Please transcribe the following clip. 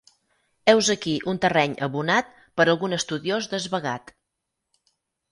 Heus aquí un terreny abonat per a algun estudiós desvagat.